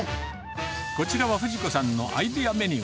こちらは富士子さんのアイデアメニュー。